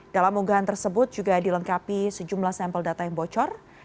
dalam unggahan tersebut juga dilengkapi sejumlah sampel data yang bocor